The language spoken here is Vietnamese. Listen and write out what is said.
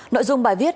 nội dung bài viết